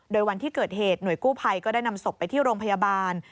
โดยวันที่เกิดเหตุหน่วยกู้ภัยก็ได้นำศพไปที่โรงพยาบาล